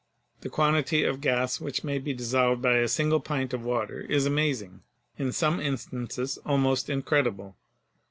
The quantity of gas which may be dissolved by a single pint of water is amazing, in some instances almost incredible.